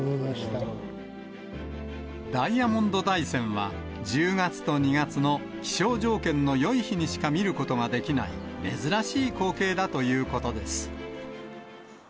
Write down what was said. ダイヤモンド大山は、１０月と２月の気象条件のよい日にしか見ることができない、珍しい光景だということです。